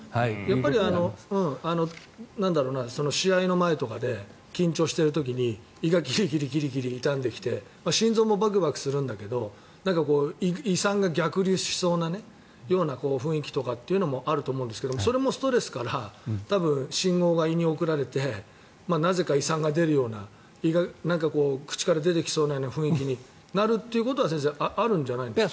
やっぱり試合の前とかで緊張している時に胃がキリキリ痛んできて心臓もバクバクするんだけど胃酸が逆流しそうな雰囲気というのもあると思うんですがそれもストレスから多分、信号が胃に送られてなぜか胃酸が出るような胃が口から出てきそうな雰囲気になるということは先生、あるんじゃないんですか？